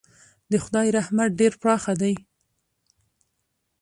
د خدای رحمت ډېر پراخه دی.